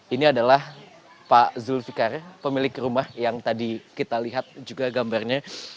ini adalah pak zulfikar pemilik rumah yang tadi kita lihat juga gambarnya